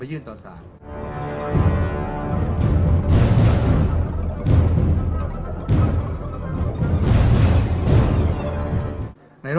กรุงภาษีปี๕๗